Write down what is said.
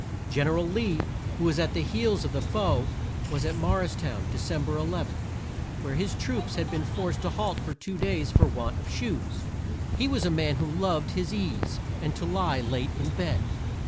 Gen er al Lee, who was at the heels of the foe, was at Mor ris town, De cem ber 11, where his troops had been forced to halt for two days for want of shoes. He was a man who loved his ease, and to lie late in bed.